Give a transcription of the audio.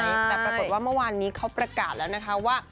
แต่ปรากฏว่าเมื่อวานนี้เขาประกาศแล้วนะคะว่า